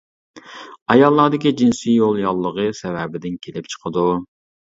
ئاياللاردىكى جىنسىي يول ياللۇغى سەۋەبىدىن كېلىپ چىقىدۇ.